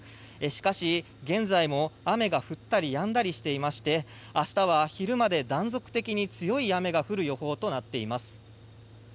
しかし、現在も雨が降ったりやんだりしていまして明日は昼間で断続的に強い雨が降る予報となっています。